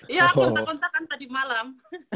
iya kontak kontakan tadi malam